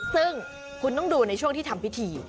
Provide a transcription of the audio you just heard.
ซึ่งคุณต้องดูในช่วงที่ทำพิธี